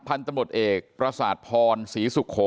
พันธุ์ตำรวจเอกประสาทพรศรีสุโข